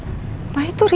jangan lupa like video ini